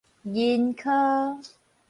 銀顆